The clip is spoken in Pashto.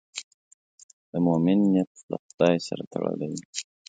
د مؤمن نیت له خدای سره تړلی وي.